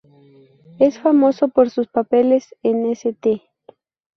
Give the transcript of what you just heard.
Es famoso por sus papeles en "St.